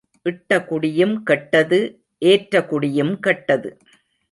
இட்ட குடியும் கெட்டது ஏற்ற குடியும் கெட்டது.